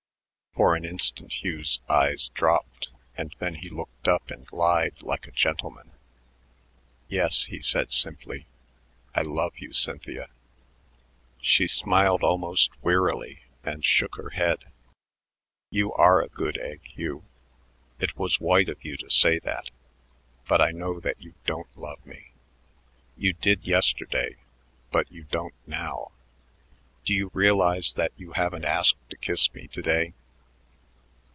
For an instant Hugh's eyes dropped, and then he looked up and lied like a gentleman. "Yes," he said simply; "I love you, Cynthia." She smiled almost wearily and shook her head. "You are a good egg, Hugh. It was white of you to say that, but I know that you don't love me. You did yesterday, but you don't now. Do you realize that you haven't asked to kiss me to day?"